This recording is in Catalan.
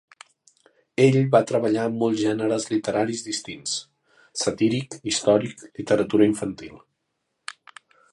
Ell va treballar en molts gèneres literaris distints: satíric, històric, literatura infantil.